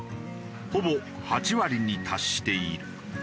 ほぼ８割に達している。